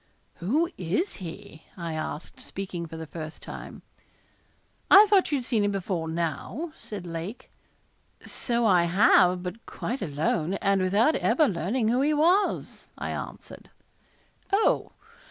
'Who is he?' I asked, speaking for the first time. 'I thought you had seen him before now,' said Lake. 'So I have, but quite alone, and without ever learning who he was,' I answered. 'Oh!